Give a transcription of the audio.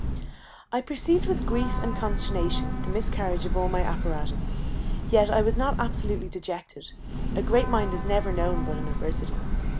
_ I perceived with grief and consternation the miscarriage of all my apparatus; yet I was not absolutely dejected: a great mind is never known but in adversity.